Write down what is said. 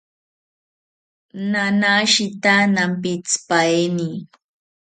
Nanashita nampitzipaeni